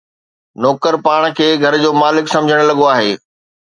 نوڪر پاڻ کي گهر جو مالڪ سمجهڻ لڳو آهي